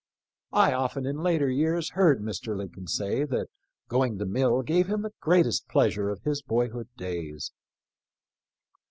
I often in later years heard Mr. Lincoln say that going to mill gave him the greatest pleasure of his boyhood days.